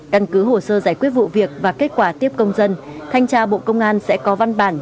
căn cứ hồ sơ giải quyết vụ việc và kết quả tiếp công dân thanh tra bộ công an sẽ có văn bản